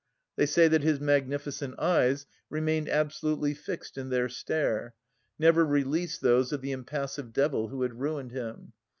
They say that his magnificent eyes remained absolutely fixed in their stare ; never released those of the impassive devil who had ruined him.